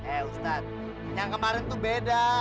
eh ustadz yang kemarin tuh beda